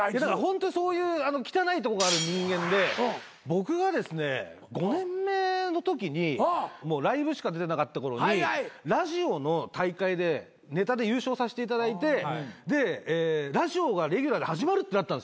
ホントにそういう汚いとこがある人間で僕がですね５年目のときにライブしか出てなかったころにラジオの大会でネタで優勝させていただいてでラジオがレギュラーで始まるってなったんですよ。